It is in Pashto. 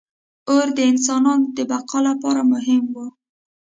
• اور د انسانانو د بقا لپاره مهم و.